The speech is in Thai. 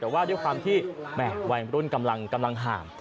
แต่ว่าด้วยความที่วัยรุ่นกำลังห่าง